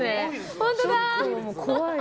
本当だ！